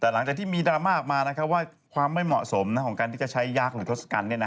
หลังจากที่มีดรามะออกมากว่าความไม่เหมาะสมของการใช้ยาคหรือทศกัน